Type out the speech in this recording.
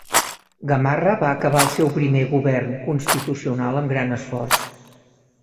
Gamarra va acabar el seu primer govern constitucional amb gran esforç.